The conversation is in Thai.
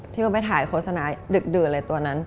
เพิ่งไปถ่ายโฆษณาดึกดื่นเลยตัวนั้น